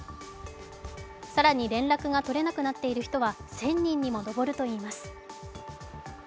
更に連絡が取れなくなっている人は１０００人にも上るといいます。